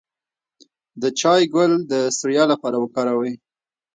د چای ګل د ستړیا لپاره وکاروئ